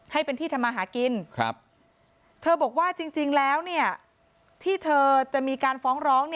ให้เป็นที่ทำมาหากินเธอบอกว่าจริงแล้วที่เธอจะมีการฟ้องร้อง